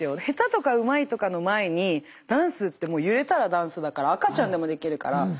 下手とかうまいとかの前にダンスってもう揺れたらダンスだから赤ちゃんでもできるから。